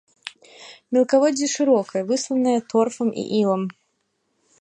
Мелкаводдзе шырокае, высланае торфам і ілам.